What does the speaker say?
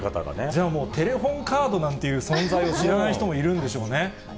じゃあもう、テレホンカードなんていう存在を知らない人もいるんでしょうね。